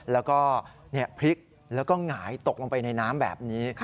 แล้วก็พลิกแล้วก็หงายตกลงไปในน้ำแบบนี้